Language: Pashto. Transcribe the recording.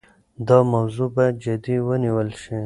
دا موضوع باید جدي ونیول شي.